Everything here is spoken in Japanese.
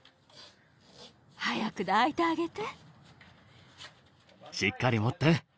早く抱いてあげて。